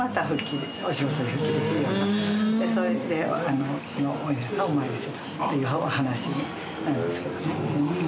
そうやってお稲荷さんをお参りしてたというお話なんですけどね。